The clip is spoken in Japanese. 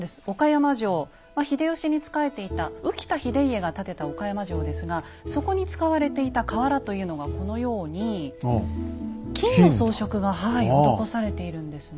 秀吉に仕えていた宇喜多秀家が建てた岡山城ですがそこに使われていた瓦というのがこのように金の装飾が施されているんですね。